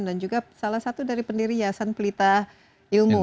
dan juga salah satu dari pendiri yayasan pelita ilmu